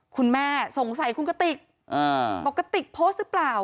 คุณแม่สงสัยคุณกติกบอกกะติกโพสต์หรือเปล่า